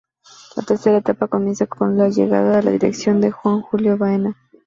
La tercera etapa comienza con la llegada a la dirección de Juan Julio Baena.